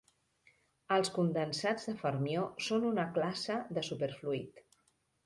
Els condensats de fermió són una classe de superfluid.